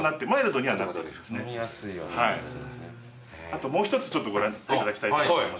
あともう一つちょっとご覧いただきたい所があります。